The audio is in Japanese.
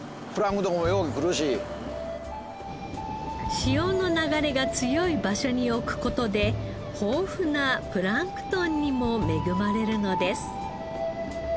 潮の流れが強い場所に置く事で豊富なプランクトンにも恵まれるのです。